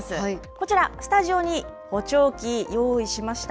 こちら、スタジオに補聴器、用意しました。